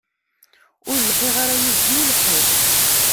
Ur lḥiɣ ara yid-sen ur leḥḥuɣ.